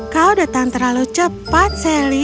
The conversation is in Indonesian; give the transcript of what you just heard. kau datang terlalu cepat sally